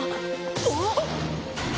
あっ！